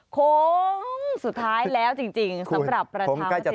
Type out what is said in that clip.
โค้งสุดท้ายแล้วจริงสำหรับประชามติ